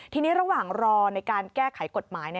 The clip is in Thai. ทีนี้ระหว่างรอในการแก้ไขกฎหมาย